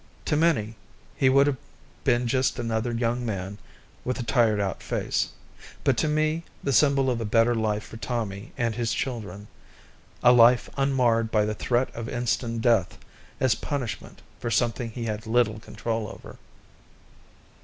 To many, he would have been just a young man with a tired out face; but to me, the symbol of a better life for Tommy and his children ... a life unmarred by the threat of instant death as punishment for something he had little control over.